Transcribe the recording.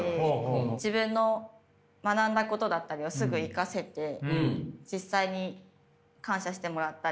自分の学んだことだったりをすぐ生かせて実際に感謝してもらったり。